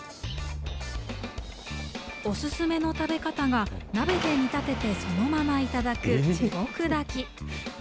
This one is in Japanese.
お勧めの食べ方が、鍋で煮立てて、そのまま頂く、地獄炊き。